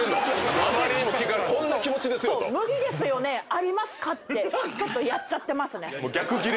ありますか？ってちょっとやっちゃってますね。